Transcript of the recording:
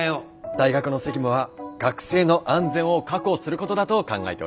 「大学の責務は学生の安全を確保することだと考えております」。